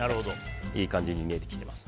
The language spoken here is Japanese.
いい感じに煮えてきています。